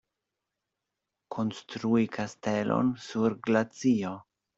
Konstrui kastelon sur glacio.